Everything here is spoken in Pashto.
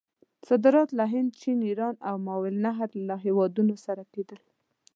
صادرات له هند، چین، ایران او ماورأ النهر له هیوادونو سره کېدل.